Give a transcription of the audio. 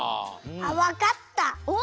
あっわかった！